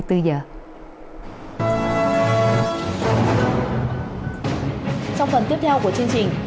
trong phần tiếp theo của chương trình